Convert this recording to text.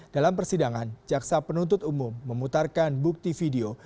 dalam persidangan jaksa penuntut umum memutarkan bukti video